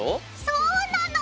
そうなの！